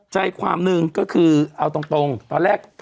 ใจความหนึ่งก็คือเอาตรงตอนแรก